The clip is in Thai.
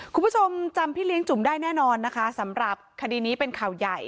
คุณผู้ชมจำพี่เลี้ยงจุ่มได้แน่นอนนะคะสำหรับคดีนี้เป็นข่าวใหญ่